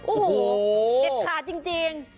โอ้โหเด็ดขาดจริง